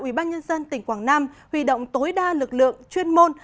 ủy ban nhân dân tỉnh quảng nam huy động tối đa lực lượng chuyên môn